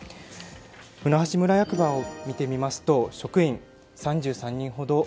舟橋村役場を見てみますと職員は３３人ほど。